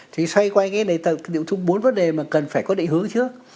thì xoay quanh cái này tầng bốn vấn đề mà cần phải có định hướng trước